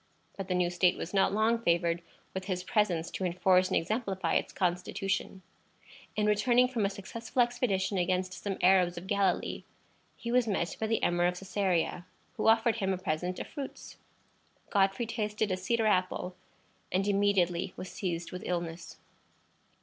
But the new state was not long favored with his presence to enforce and exemplify its constitution. In returning from a successful expedition against some Arabs of Galilee, he was met by the Emir of Cæsarea, who offered him a present of fruits. Godfrey tasted a cedar apple, and immediately was seized with illness.